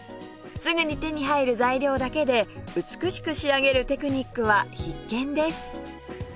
すぐに手に入る材料だけで美しく仕上げるテクニックは必見です